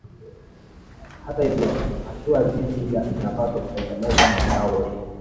Hata hivyo hatua hizi zinapaswa kutekelezwa na wadau wote